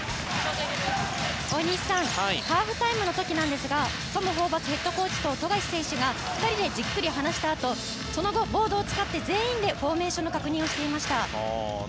大西さんハーフタイムの時なんですがトム・ホーバスヘッドコーチと富樫選手が２人でじっくり話したあとそのボードを使って全員でフォーメーションの確認をしていました。